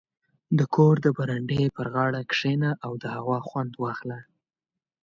• د کور د برنډې پر غاړه کښېنه او د هوا خوند واخله.